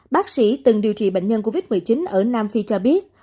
bác sĩ từng điều trị bệnh nhân covid một mươi chín ở nam phi cho biết